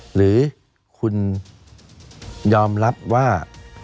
หรือคุณยอมรับว่า